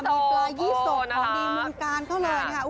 มีปลายี่ศพของดิงมือกาญเขาเลย